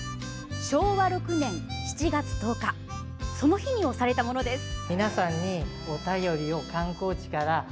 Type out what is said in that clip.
昭和６年７月１０日その日に押されたものです。